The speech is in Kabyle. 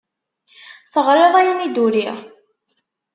Teɣriḍ ayen i d-uriɣ?